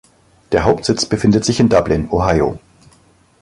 Der Hauptsitz befindet sich in Dublin, Ohio.